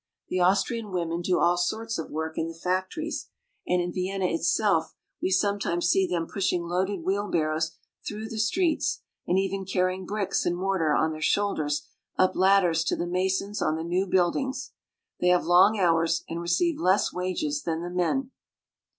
The Austrian women do all sorts of work in the factories, and in Vienna itself we sometimes see them pushing loaded wheelbarrows through the streets, and even carrying bricks and mortar on their shoulders up ladders to the masons on the new buildings. They have long hours and receive less wages than the men.